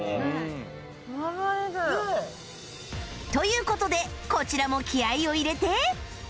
という事でこちらも気合を入れて